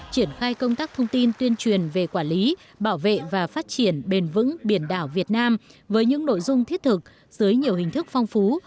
triển khai công tác thông tin tuyên truyền về quản lý bảo vệ và phát triển bền vững biển đảo việt nam với những nội dung thiết thực dưới nhiều hình thức phong phú